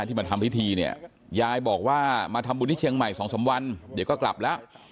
ที่มาทำพิธีเนี่ยยายบอกว่ามาทำบุญที่เชียงใหม่๒๓วันเดี๋ยวก็กลับแล้ว